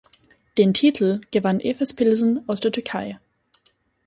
Den Titel gewann Efes Pilsen aus der Türkei.